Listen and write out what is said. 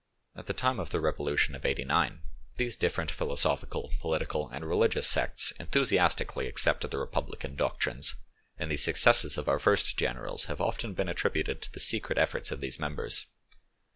At the time of the revolution of '89 these different philosophical, political, and religious sects enthusiastically accepted the republican doctrines, and the successes of our first generals have often been attributed to the secret efforts of the members.